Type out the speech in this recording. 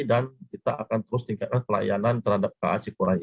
dan kita akan terus tingkatkan pelayanan terhadap ka cikgu rai ini